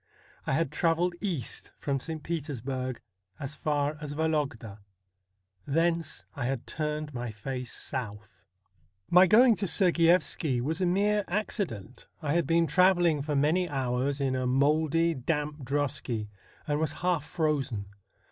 I had travelled east from St. Petersburg as far as Vologda ; thence I had turned my face south. My going to Sergiyevski was a mere accident. I had been travelling for many hours in a mouldy, damp drosky, and was half frozen.